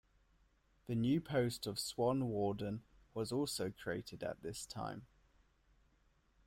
The new post of Swan Warden was also created at this time.